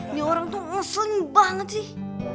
ini orang tuh asli banget sih